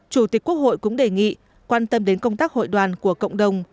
chủ tịch quốc hội cũng đề nghị quan tâm đến công tác hội đoàn của cộng đồng